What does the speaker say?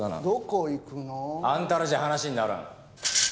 どこ行くの？あんたらじゃ話にならん。